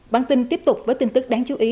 bản tin tiếp tục với tin tức đáng chú ý